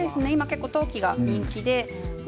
陶器が人気で。